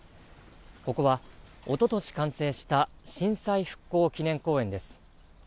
ここは、おととし完成した震災復興祈念公園です。